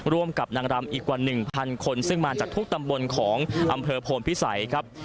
ร่วมกับนางรำอีกกว่า๑๐๐คนซึ่งมาจากทุกตำบลของอำเภอโพนพิสัยครับ